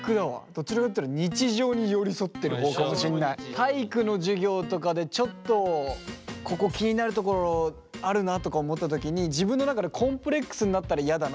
どちらかっていったら体育の授業とかでちょっとここ気になるところあるなとか思った時に自分の中でコンプレックスになったらやだなって思ったから。